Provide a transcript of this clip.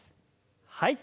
はい。